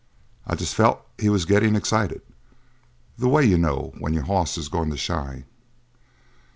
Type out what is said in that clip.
I just felt he was getting excited. The way you know when your hoss is going to shy."